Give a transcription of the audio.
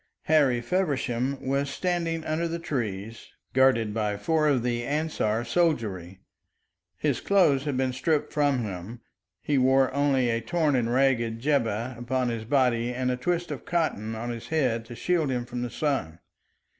Harry Feversham was standing under the trees, guarded by four of the Ansar soldiery. His clothes had been stripped from him; he wore only a torn and ragged jibbeh upon his body and a twist of cotton on his head to shield him from the sun.